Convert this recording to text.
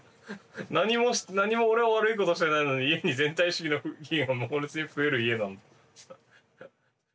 何も俺は悪いことしてないのに家に「全体主義の起源」が猛烈に増える家なんだよ。